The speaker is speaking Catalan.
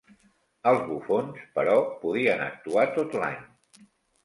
Els bufons, però, podien actuar tot l'any.